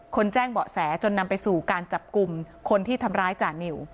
แจ้งเบาะแสจนนำไปสู่การจับกลุ่มคนที่ทำร้ายจานิว